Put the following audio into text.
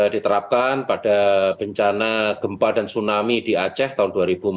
diterapkan pada bencana gempa dan tsunami di aceh tahun dua ribu empat belas